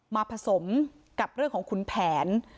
ผสมกับเรื่องของขุนแผน